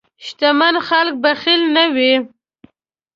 شتمن خلک بخیل نه وي.